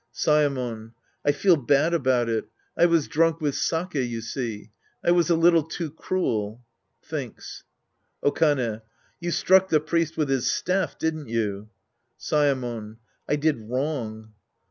Saemon. I feel bad about it. I was drunk with sake, you see. I was a little too cruel. {Thinks!) Okane. You struck the priest with his staff, didn't you? Saemon. I did wrong.